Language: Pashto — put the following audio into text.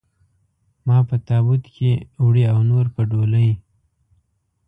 ما په تابوت کې وړي او نور په ډولۍ.